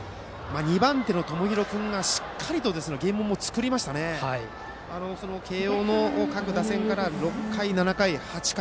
２番手の友廣君がしっかりゲームも作りましたし慶応の各打線から６回、７回、８回。